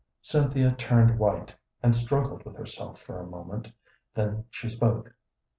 Cynthia turned white and struggled with herself for a moment, then she spoke.